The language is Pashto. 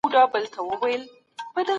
اقتصادي خوځښت به د خلګو ژوند بدل کړي.